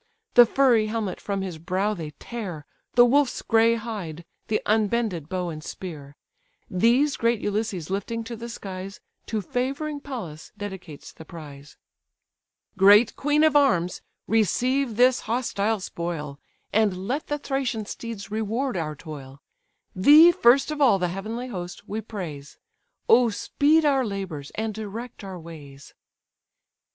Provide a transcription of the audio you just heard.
The furry helmet from his brow they tear, The wolf's grey hide, the unbended bow and spear; These great Ulysses lifting to the skies, To favouring Pallas dedicates the prize: "Great queen of arms, receive this hostile spoil, And let the Thracian steeds reward our toil; Thee, first of all the heavenly host, we praise; O speed our labours, and direct our ways!"